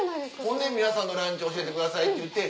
ほんで皆さんのランチ教えてくださいって言うて。